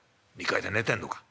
２階で寝てんのか。